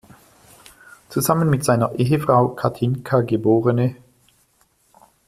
Zusammen mit seiner Ehefrau Kathinka geb.